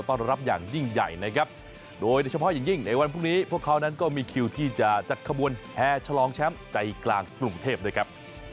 ต้อนรับอย่างยิ่งใหญ่นะครับโดยเฉพาะอย่างยิ่งในวันพรุ่งนี้พวกเขานั้นก็มีคิวที่จะจัดขบวนแห่ฉลองแชมป์ใจกลางกรุงเทพด้วยครับ